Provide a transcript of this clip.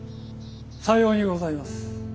さようにございます。